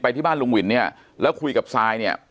ที่บ้านลุงวินเนี่ยแล้วคุยกับซายเนี่ย